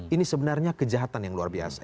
ini sebenarnya kejahatan yang luar biasa